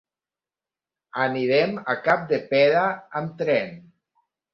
Anirem a Capdepera amb tren.